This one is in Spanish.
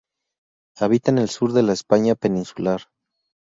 Habita en el sur de la España peninsular.